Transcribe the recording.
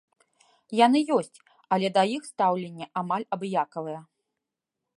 Яны ёсць, але да іх стаўленне амаль абыякавае.